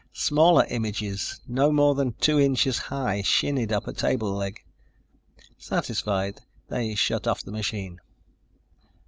Smaller images, no more than two inches high, shinnied up a table leg. Satisfied, they shut off the machine.